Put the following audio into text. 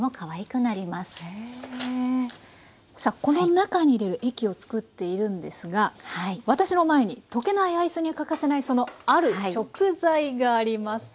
さあこの中に入れる液を作っているんですが私の前に溶けないアイスに欠かせないその「ある食材」があります。